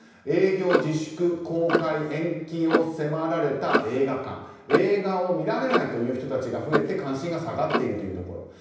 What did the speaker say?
営業自粛公開延期を迫られた映画館映画を見られない人たちが増えて関心が下がっているというところ。